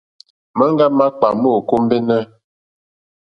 Maŋga makpà ma ò kombεnε.